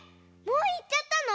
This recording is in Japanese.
もういっちゃったの？